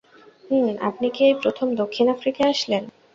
হুম আপনি কি এই প্রথম দক্ষিণ আফ্রিকায় আসলেন?